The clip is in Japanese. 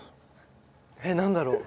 えっなんだろう？